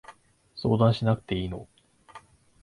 相談しなくていいの？